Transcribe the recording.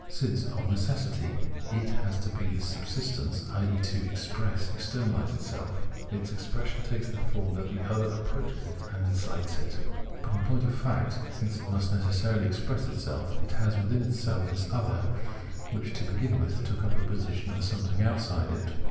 Since of necessity it has to he this subsistence, i.e. to express, externaUse itself, its expression takes the form that the other approaches it and incites it. But, in point of fact, since it must necessarily express itself, it has within itself this other, which to begin with took up a position as something outside it.